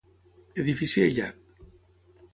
Edifici aïllat.